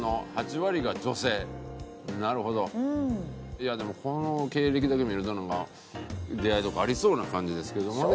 いやでもこの経歴だけ見るとなんか出会いとかありそうな感じですけどもね。